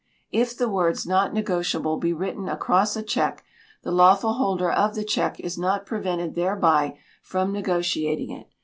If the words "Not Negotiable" be written across a cheque, the lawful holder of the cheque is not prevented thereby from negotiating it.